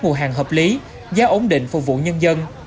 nguồn hàng hợp lý giá ổn định phục vụ nhân dân